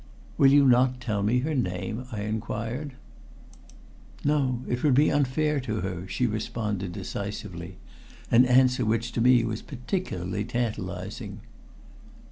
"Will you not tell me her name?" I inquired. "No, it would be unfair to her," she responded decisively, an answer which to me was particularly tantalizing.